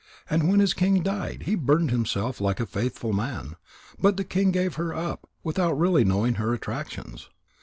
And when his king died, he burned himself like a faithful man. But the king gave her up without really knowing her attractions."